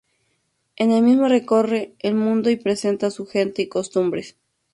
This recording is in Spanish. En el mismo recorre el mundo y presenta a su gente y costumbres.